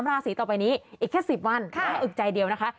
ราศีต่อไปนี้อีกแค่๑๐วันน่าอึกใจเดียวนะคะ